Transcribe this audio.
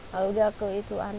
lalu dia ke ituan